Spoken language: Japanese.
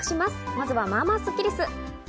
まずは、まあまあスッキりす。